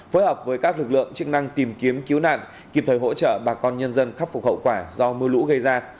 phối hợp với các lực lượng chức năng tìm kiếm cứu nạn kịp thời hỗ trợ bà con nhân dân khắc phục hậu quả do mưa lũ gây ra